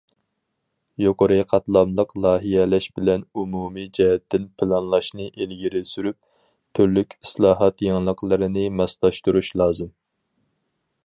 يۇقىرى قاتلاملىق لايىھەلەش بىلەن ئومۇمىي جەھەتتىن پىلانلاشنى ئىلگىرى سۈرۈپ، تۈرلۈك ئىسلاھات يېڭىلىقلىرىنى ماسلاشتۇرۇش لازىم.